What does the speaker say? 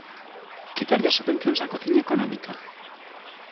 ¿Quitarlle as subvencións á Cociña económica?